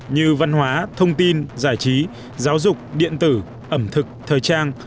như văn hóa thông tin giải trí giáo dục điện tử ẩm thực thời trang